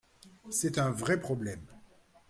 C’est un vrai problème.